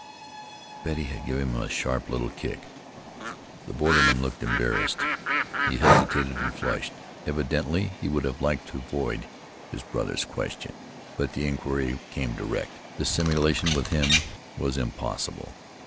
Betty had given him a sharp little kick. The borderman looked embarrassed. He hesitated and flushed. Evidently he would have liked to avoid his brother's question; but the inquiry came direct. Dissimulation with him was impossible.